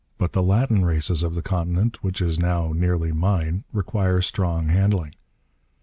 But the Latin races of the continent which is now nearly mine require strong handling.